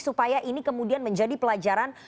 supaya ini kemudian menjadi pelajaran